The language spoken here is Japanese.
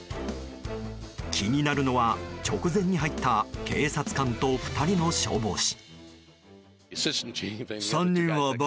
気になるのは、直前に入った警察官と２人の消防士。